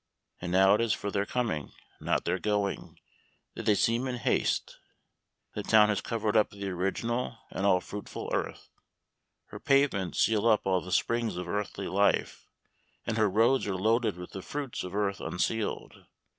And now it is for their coming, not their going, that they seem in haste. The town has covered up the original and all fruitful earth; her pavements seal up all the springs of earthly life, and her roads are loaded with the fruits of earth unsealed.